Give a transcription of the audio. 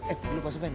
eh dulu pak sofyan